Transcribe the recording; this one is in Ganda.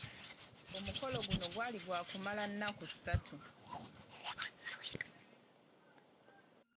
Omukolo guno gwali gwa kumala enaku satu.